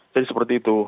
jadi seperti itu